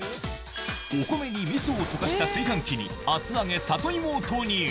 お米にみそを溶かした炊飯器に厚揚げ里芋を投入